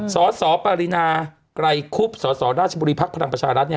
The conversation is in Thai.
สอสอปริมาณไกลคุบสอสอราชบุรีพรรคพลังประชารัฐ